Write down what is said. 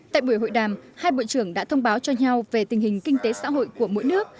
tại buổi hội đàm hai bộ trưởng đã thông báo cho nhau về tình hình kinh tế xã hội của mỗi nước